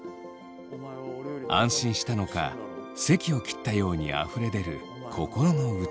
安心したのかせきを切ったようにあふれ出る心の内。